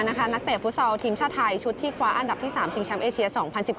นักเตะฟุตซอลทีมชาติไทยชุดที่คว้าอันดับที่๓ชิงแชมป์เอเชีย๒๐๑๖